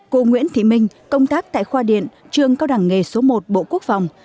cô nguyễn thị minh công tác tại khoa điện trường cao đẳng nghề số một bộ quốc phòng